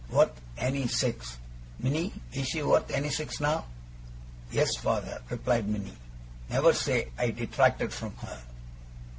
Worth any six! Minnie, is she worth any six, now?' 'Yes, father,' replied Minnie. 'Never say I detracted from her!